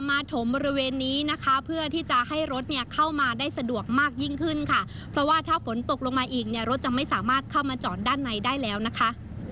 ถมบริเวณนี้นะคะเพื่อที่จะให้รถเนี่ยเข้ามาได้สะดวกมากยิ่งขึ้นค่ะเพราะว่าถ้าฝนตกลงมาอีกเนี่ยรถจะไม่สามารถเข้ามาจอดด้านในได้แล้วนะคะ